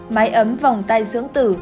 mái ấm vòng tay dưỡng tử